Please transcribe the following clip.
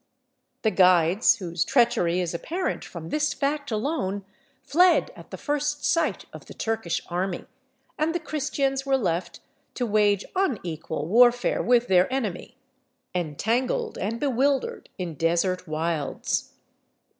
The guides, whose treachery is apparent from this fact alone, fled at the first sight of the Turkish army, and the Christians were left to wage unequal warfare with their enemy, entangled and bewildered in desert wilds.